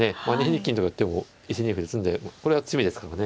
２二金とか寄っても１二歩で詰んでこれは詰みですからね。